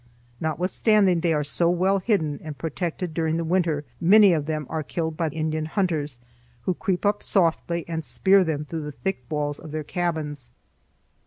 Notwithstanding they are so well hidden and protected during the winter, many of them are killed by Indian hunters, who creep up softly and spear them through the thick walls of their cabins.